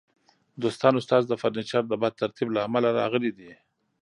دوی ستاسو د فرنیچر د بد ترتیب له امله راغلي دي